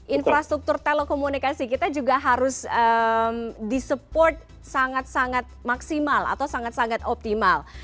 infrastruktur telekomunikasi kita juga harus disupport sangat sangat maksimal atau sangat sangat optimal